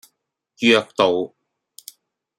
約道